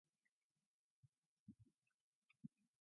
"Sarnie" is a similar colloquialism.